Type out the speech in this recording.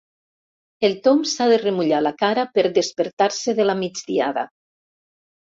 El Tom s'ha de remullar la cara per despertar-se de la migdiada.